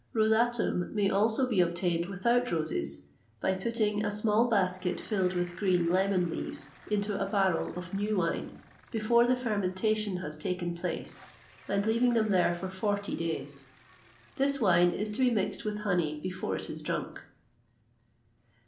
[XXVIII 129] Rosatum may also be obtained without roses, by putting a small basket filled with green lemon leaves into a barrel of new wine before the fermentation has taken place, and leaving them there for forty days. This wine is to be mixed with honey before it is drunk.